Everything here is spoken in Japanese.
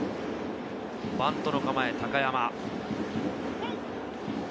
バントの構え、高山。